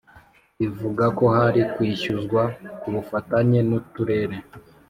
ivuga ko hari kwishyuzwa ku bufatanye n’uturere